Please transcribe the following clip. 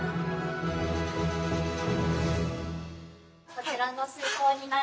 こちらの水槽になります。